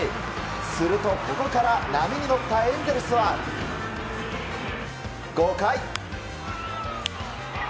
すると、ここから波に乗ったエンゼルスは５回。